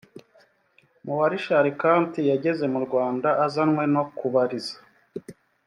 mu wa richard kandt yageze mu rwanda azanywe no kubariza